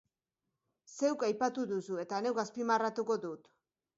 Zeuk aipatu duzu eta neuk azpimarratuko dut.